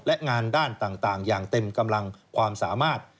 และงานด้านต่างอย่างเต็มกำลังความสามารถ